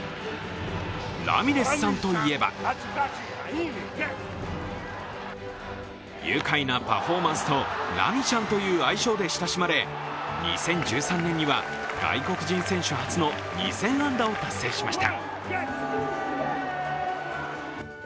ラミレスさんといえば愉快なパフォーマンスとラミちゃんという愛称で親しまれ２０１３年には外国人選手初の２０００安打を達成しました。